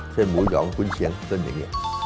เช่นหมูหย่องคุณเชียงต้นอย่างนี้